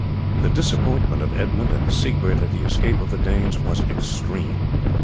The disappointment of Edmund and Siegbert at the escape of the Danes was extreme.